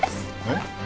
えっ？